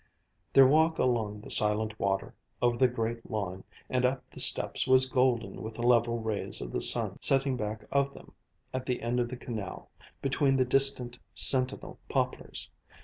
Their walk along the silent water, over the great lawn, and up the steps was golden with the level rays of the sun setting back of them, at the end of the canal, between the distant, sentinel poplars.